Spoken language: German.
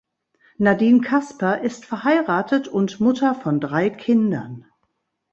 Nadine Kasper ist verheiratet und Mutter von drei Kindern.